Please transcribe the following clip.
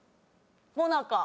もなか。